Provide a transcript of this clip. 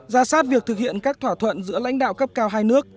ra sát việc thực hiện các thỏa thuận giữa lãnh đạo cấp cao hai nước